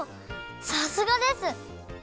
さすがです！